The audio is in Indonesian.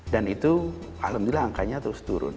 itu alhamdulillah angkanya terus turun